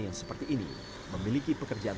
yang seperti ini memiliki pekerjaan